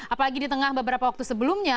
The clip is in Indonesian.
apalagi di tengah beberapa waktu sebelumnya